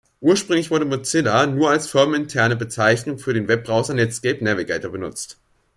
Ursprünglich wurde "Mozilla" nur als firmeninterne Bezeichnung für den Webbrowser Netscape Navigator benutzt.